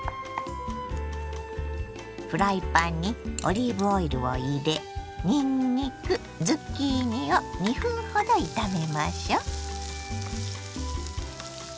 フライパンにオリーブオイルを入れにんにくズッキーニを２分ほど炒めましょ。